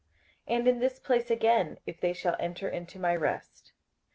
58:004:005 And in this place again, If they shall enter into my rest.